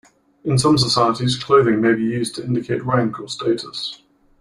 In some societies, clothing may be used to indicate rank or status.